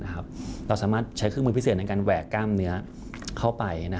เราสามารถใช้เครื่องมือพิเศษในการแหวกกล้ามเนื้อเข้าไป